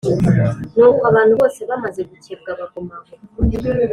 Nuko abantu bose bamaze gukebwa baguma aho